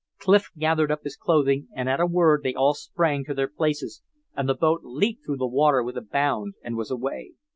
Clif gathered up his clothing and at a word they all sprang to their places and the boat leaped through the water with a bound, and was away.